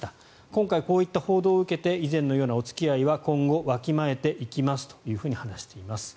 今回、こういった報道を受けて以前のようなお付き合いは今後わきまえていきますというふうに話しています。